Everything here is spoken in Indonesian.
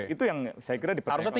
itu yang saya kira dipertanyakan pak novel